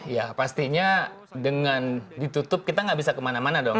ya pastinya dengan ditutup kita nggak bisa kemana mana dong